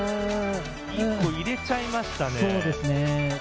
結構入れちゃいましたね。